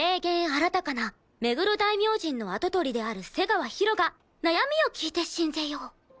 あらたかな目黒大明神の跡取りである瀬川ひろが悩みを聞いて進ぜよう。